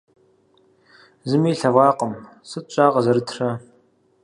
Зыми илъэгъуакъым. Сыт щӀа къызэрытрэ!